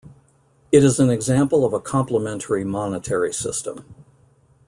It is an example of a complementary monetary system.